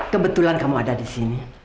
kebetulan kamu ada di sini